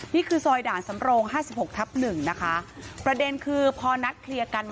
นี่คือซอยด่านสำโรงห้าสิบหกทับหนึ่งนะคะประเด็นคือพอนัดเคลียร์กัน